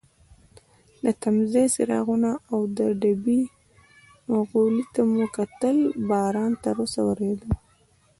د تمځای څراغونو او د ډبې غولي ته مو کتل، باران تراوسه وریده.